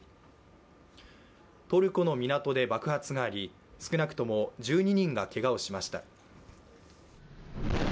トルコの港で爆発があり、少なくとも１２人がけがをしました。